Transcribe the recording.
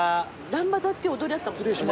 ランバダって踊りあったもんね。